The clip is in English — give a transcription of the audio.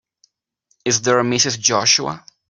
Is there a Mrs. Joshua?